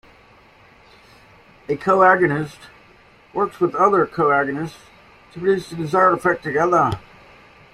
A co-agonist works with other co-agonists to produce the desired effect together.